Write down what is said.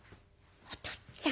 「おとっつぁん。